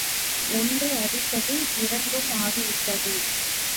ஒன்று அடித்தது, இரண்டும் ஆகிவிட்டது.